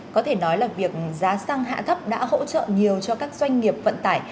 có thể nói là việc giá xăng hạ thấp đã hỗ trợ nhiều cho các doanh nghiệp vận tải